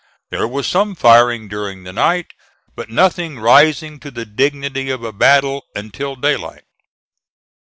There was some firing during the night, but nothing rising to the dignity of a battle until daylight.